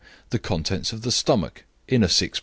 The contents of the stomach (in a 6 lb.